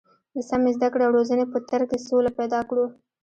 د سمې زده کړې او روزنې په تر کې سوله پیدا کړو.